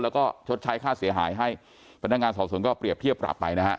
แล้วก็ชดใช้ค่าเสียหายให้พนักงานสอบสวนก็เปรียบเทียบปรับไปนะฮะ